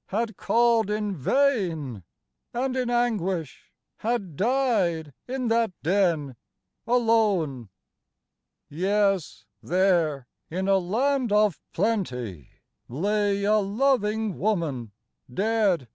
— Had called in vain, and in anguish Had died in that den — alone. " Yes, there, in a land of plenty. Lay a loving woman dead.